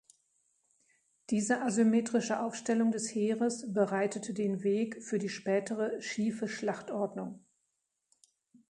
Diese asymmetrische Aufstellung des Heeres bereitete den Weg für die spätere Schiefe Schlachtordnung.